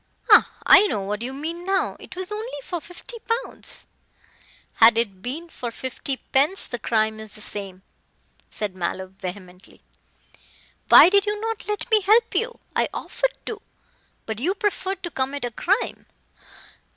"Ah, I know what you mean now. It was only for fifty pounds." "Had it been for fifty pence the crime is the same," said Mallow vehemently, "why did you not let me help you? I offered to. But you preferred to commit a crime."